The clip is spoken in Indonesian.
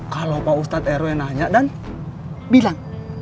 kalau pak ustadz rw nanya dan bilang